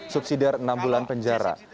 subsidiar enam bulan penjara